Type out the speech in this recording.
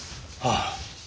ああ。